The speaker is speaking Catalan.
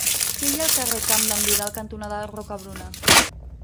Què hi ha al carrer Camp d'en Vidal cantonada Rocabruna?